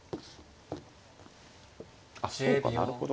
あっそうかなるほど。